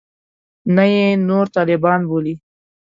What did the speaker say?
نه یې نور طالبان بولي.